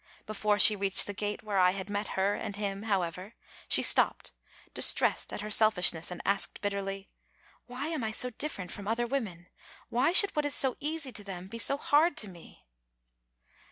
Before she reached the gate where I had met her and him, however, she stopped, distressed at her selfishness, and asked bitterly, Why am I so different from other women ; why should what is so easy to them be so hard to me?"